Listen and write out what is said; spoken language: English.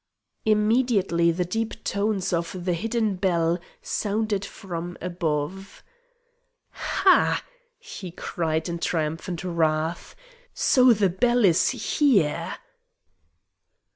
Immediately the deep tones of the hidden bell sounded from above. "Ha!" he cried in triumphant wrath; "so the bell is here!"